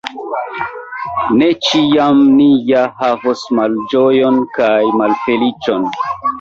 Ne ĉiam ni ja havos malĝojon kaj malfeliĉon!